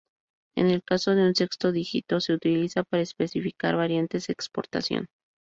En el caso de un sexto dígito, se utiliza para especificar variantes de exportación.